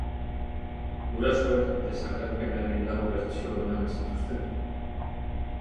Gurasoek desagerpenaren lau bertsio eman zituzten.